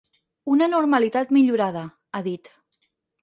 “Una normalitat millorada”, ha dit.